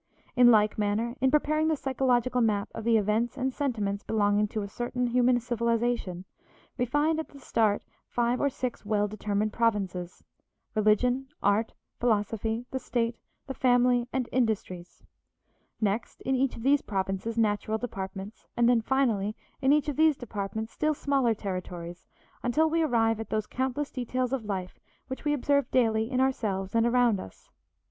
In like manner, in preparing the psychological map of the events and sentiments belonging to a certain human civilization, we find at the start five or six well determined provinces religion, art, philosophy, the state, the family, and industries; next, in each of these provinces, natural departments, and then finally, in each of these departments, still smaller territories until we arrive at those countless details of life which we observe daily in ourselves and around us.